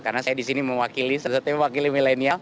karena saya disini mewakili milenial